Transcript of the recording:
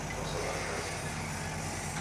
Kwasow'a kazi?